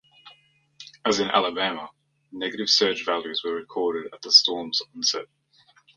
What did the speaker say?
As in Alabama, negative surge values were recorded at the storm's onset.